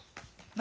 何？